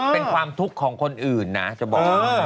เป็นความทุกข์ของคนอื่นนะจะบอกว่า